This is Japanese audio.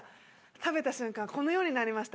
食べた瞬間、このようになりました。